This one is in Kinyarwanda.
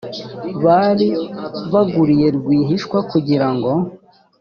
bari baguriye rwihishwa kugira